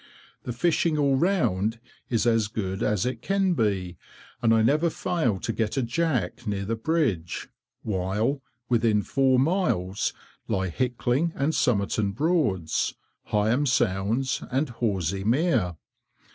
The fishing all round is as good as it can be, and I never fail to get a jack near the bridge, while, within four miles lie Hickling and Somerton Broads, Heigham Sounds, and Horsey Mere.